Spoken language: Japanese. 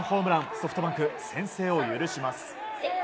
ソフトバンク、先制を許します。